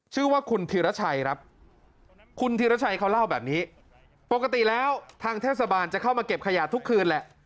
ชื่อว่าคุณธีรชัยครับคุณธีรชัยเขาเล่าแบบนี้ปกติแล้วทางเทศบาลจะเข้ามาเก็บขยะทุกคืนแหละ